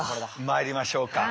まいりましょうか。